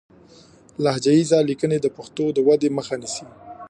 لهجه ييزې ليکنې د پښتو د ودې مخه نيسي